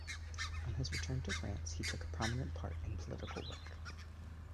On his return to France he took a prominent part in political work.